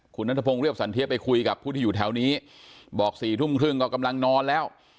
คุณนัทพงศ์เรียบสันเทียไปคุยกับผู้ที่อยู่แถวนี้บอก๔ทุ่มครึ่งก็กำลังนอนแล้ว